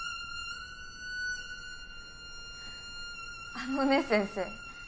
あのね先生。